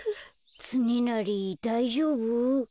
つねなりだいじょうぶ？